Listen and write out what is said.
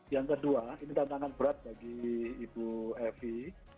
yang kedua ini tantangan berat bagi ibu evi